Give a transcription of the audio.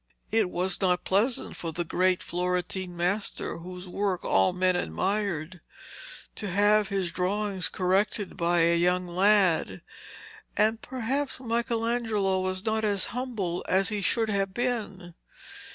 It was not pleasant for the great Florentine master, whose work all men admired, to have his drawings corrected by a young lad, and perhaps Michelangelo was not as humble as he should have been.